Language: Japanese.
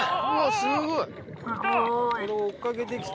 すごい。